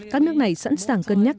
các nước này sẵn sàng cân nhắc